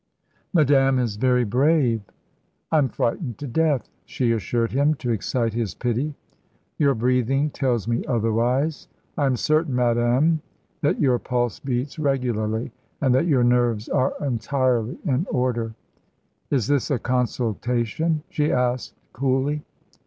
"Madame is very brave." "I'm frightened to death," she assured him, to excite his pity. "Your breathing tells me otherwise. I am certain, madame, that your pulse beats regularly, and that your nerves are entirely in order." "Is this a consultation?" she asked coolly.